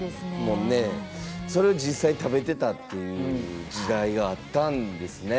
それを実際に食べてたっていう時代があったんですね。